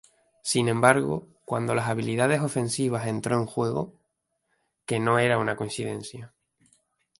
Sin embargo, cuando las habilidades ofensivas entró en juego, que no era una coincidencia.